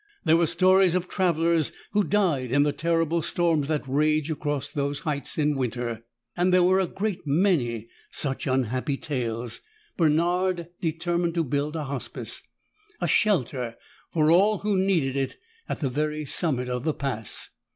They were stories of travelers who died in the terrible storms that rage across these heights in winter, and there were a great many such unhappy tales. Bernard determined to build a hospice, a shelter for all who needed it, at the very summit of the Pass.